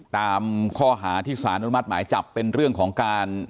ตามข้อหาที่สารอนุมัติหมายจับเป็นเรื่องของการ